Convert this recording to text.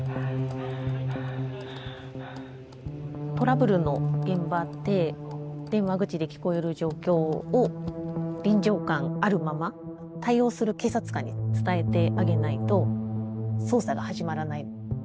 トラブルの現場って電話口で聞こえる状況を臨場感あるまま対応する警察官に伝えてあげないと捜査が始まらない。